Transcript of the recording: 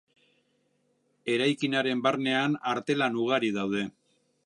Eraikinaren barnean artelan ugari daude.